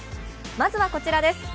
まずはこちらです。